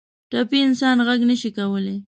ټپي انسان غږ نه شي کولی.